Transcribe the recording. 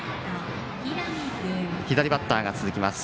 左バッターが続きます。